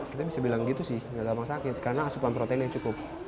kita bisa bilang gitu sih enggak gampang sakit karena asupan proteinnya cukup